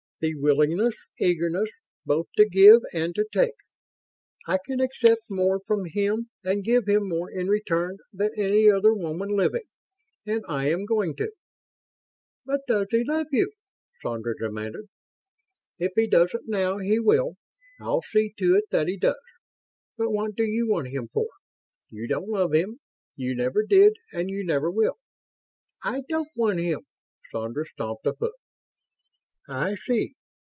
The willingness eagerness both to give and to take? I can accept more from him, and give him more in return, than any other woman living. And I am going to." "But does he love you?" Sandra demanded. "If he doesn't now, he will. I'll see to it that he does. But what do you want him for? You don't love him. You never did and you never will." "I don't want him!" Sandra stamped a foot. "I see.